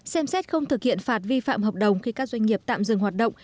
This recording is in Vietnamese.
xem xét không thực hiện phạt vi phạm hợp đồng khi các doanh nghiệp tạm dừng hoạt động